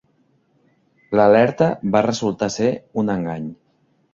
L'alerta va resultar ser un engany.